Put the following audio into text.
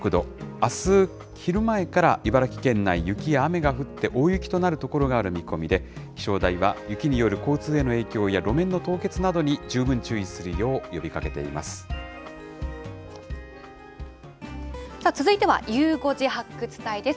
あす昼前から茨城県内、雪や雨が降って、大雪となる所がある見込みで、気象台は雪による交通への影響や路面の凍結などに十分注意するよ続いてはゆう５時発掘隊です。